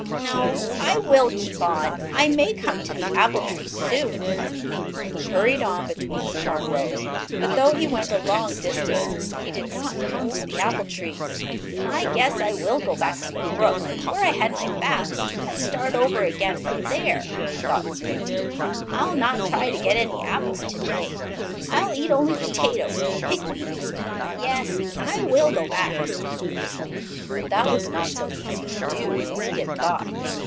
No, I will keep on. I may come to the apple tree soon." He hurried on between the corn rows. But, though he went a long distance, he did not come to the apple tree. "I guess I will go back to the brook, where I had my bath, and start over again from there," thought Squinty. "I will not try to get any apples to day. I will eat only potatoes and pig weed. Yes, I will go back." But that was not so easy to do as he had thought.